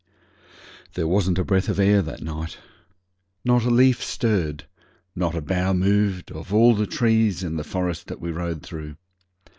There wasn't a breath of air that night. Not a leaf stirred not a bough moved of all the trees in the forest that we rode through.